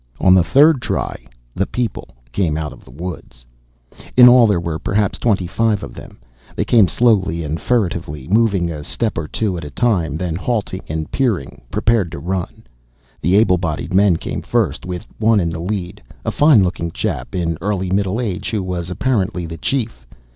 On the third try the people came out of the woods. In all there were perhaps twenty five of them. They came slowly and furtively, moving a step or two at a time, then halting and peering, prepared to run. The able bodied men came first, with one in the lead, a fine looking chap in early middle age who was apparently the chief.